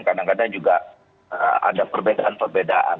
kadang kadang juga ada perbedaan perbedaan